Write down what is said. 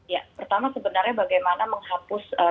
ya pertama sebenarnya bagaimana menghapus